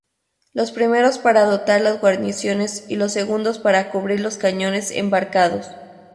Los primeros para dotar las guarniciones y los segundos para cubrir los cañones embarcados.